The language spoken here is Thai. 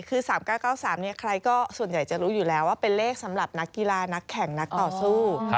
คือ๓๙๙๓ใครก็ส่วนใหญ่จะรู้อยู่แล้วว่าเป็นเลขสำหรับนักกีฬานักแข่งนักต่อสู้